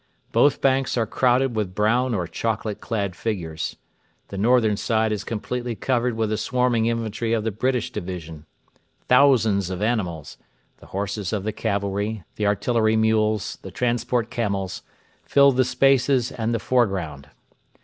Both banks are crowded with brown or chocolate clad figures. The northern side is completely covered with the swarming infantry of the British division. Thousands of animals the horses of the cavalry, the artillery mules, the transport camels fill the spaces and the foreground.